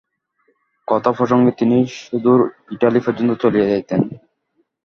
কথাপ্রসঙ্গে তিনি সুদূর ইটালী পর্যন্ত চলিয়া যাইতেন।